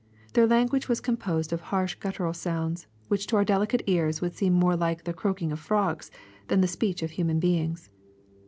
Their lan guage was composed of harsh guttural sounds which to our delica^te ears would seem more like the croaking of frogs than the speech of human beings.